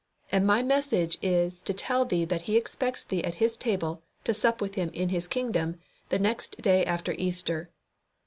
And my message is to tell thee that He expects thee at His table to sup with Him in His kingdom the next day after Easter."